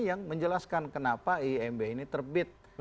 yang menjelaskan kenapa imb ini terbit